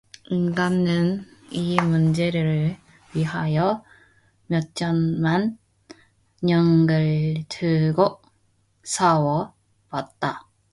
인간은 이 문제를 위하여 몇천만년을 두고 싸워 왔다.